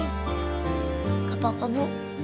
gak apa apa bu